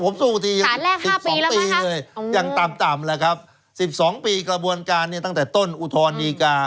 ผมสู้ทียัง๑๒ปีเลยยังต่ำแหละครับสิบสองปีกระบวนการตั้งแต่ต้นอุทธรณีกา